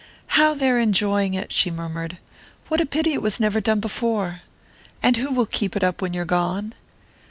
"How they're enjoying it!" she murmured. "What a pity it was never done before! And who will keep it up when you're gone?"